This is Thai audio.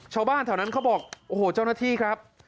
ชาวบ้านแถวนั้นเขาบอกโอ้โหเจ้าหน้าที่ครับ